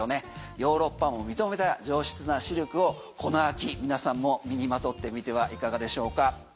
ヨーロッパも認めた上質なシルクをこの秋皆さんも身にまとってみてはいかがでしょうか？